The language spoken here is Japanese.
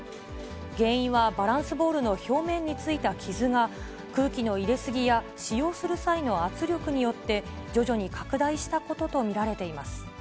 原因は、バランスボールの表面についた傷が、空気の入れ過ぎや、使用する際の圧力によって、徐々に拡大したことと見られています。